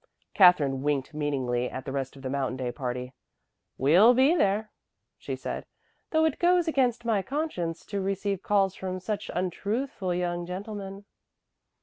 Katherine winked meaningly at the rest of the Mountain Day party. "We'll be there," she said, "though it goes against my conscience to receive calls from such untruthful young gentlemen."